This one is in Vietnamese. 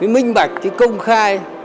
minh bạch công khai